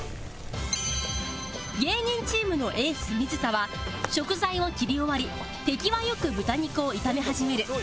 芸人チームのエース水田は食材を切り終わり手際良く豚肉を炒め始める